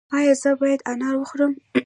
ایا زه باید انار وخورم؟